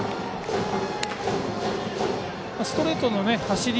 ストレートの走り